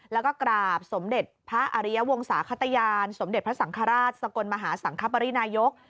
แล้วก็กราบสมเด็จพระอริยวงศาขตยานสมเด็จพระสังฆราชสกลมหาสังคปรินายก